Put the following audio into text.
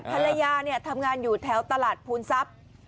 ภรรยาทำงานอยู่แถวตลาดภูนทรัพย์